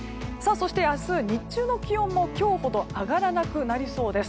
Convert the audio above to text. そして明日、日中の気温も今日ほど上がらなくなりそうです。